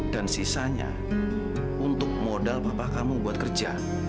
dan sisanya untuk modal bapak kamu buat kerja